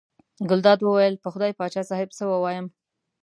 ګلداد وویل: په خدای پاچا صاحب څه ووایم.